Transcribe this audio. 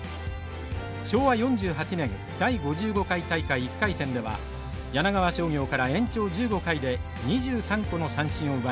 昭和４８年第５５回大会１回戦では柳川商業から延長１５回で２３個の三振を奪います。